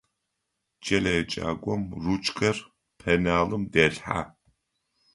КӀэлэеджакӀом ручкэр пеналым делъхьэ.